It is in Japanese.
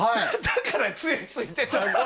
だからつえついてたんだ。